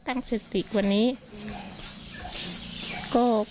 กังฟูเปล่าใหญ่มา